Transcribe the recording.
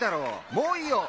もういいよっ！